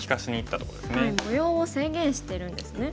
模様を制限してるんですね。